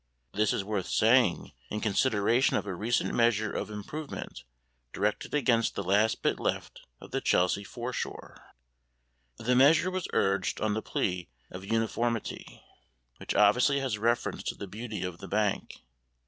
This is worth saying in consideration of a recent measure of improvement directed against the last bit left of the Chelsea foreshore. The measure was urged on the plea of uniformity, which obviously has reference to the beauty of the bank.